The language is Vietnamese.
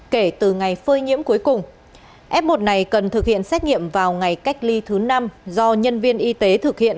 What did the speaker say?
kể từ ngày phơi nhiễm cuối cùng f một này cần thực hiện xét nghiệm vào ngày cách ly thứ năm do nhân viên y tế thực hiện